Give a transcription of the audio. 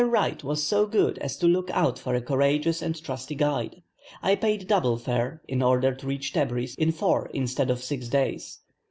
Wright was so good as to look out for a courageous and trusty guide. I paid double fare, in order to reach Tebris in four, instead of six days.